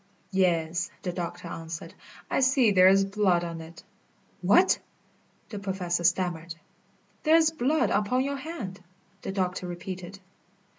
"Yes," the doctor answered, "I see there is blood on it." "What?" the Professor stammered. "There is blood upon your hand," the doctor repeated.